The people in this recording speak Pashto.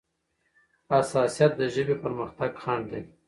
حساسيت د ژبې پرمختګ خنډ دی.